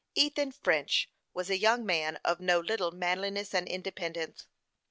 Ethan French was a young man of no little manliness and independence.